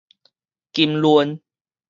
金崙